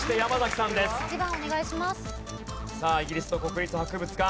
さあイギリスの国立博物館。